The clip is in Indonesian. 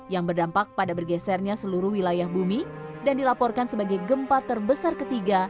yang berdampak pada bergesernya seluruh wilayah bumi dan dilaporkan sebagai gempa terbesar ketiga